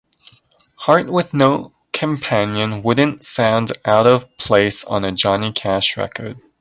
'Heart with No Companion' wouldn't sound out of place on a Johnny Cash record.